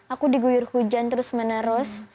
aku diguyur hujan terus menerus